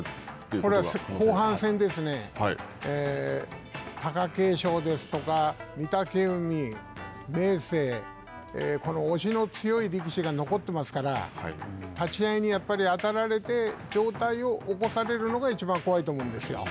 これは後半戦ですね貴景勝ですとか御嶽海、明生、この押しの強い力士が残ってますから立ち合いに当たられて上体を起こされるのがいちばん怖いと思うんですよ。